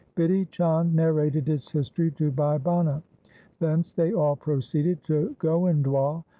Bidhi Chand narrated its history to Bhai Bhana. Thence they all proceeded to Goindwal.